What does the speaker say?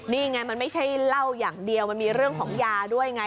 นี่ไงมันไม่ใช่เหล้าอย่างเดียวมันมีเรื่องของยาด้วยไง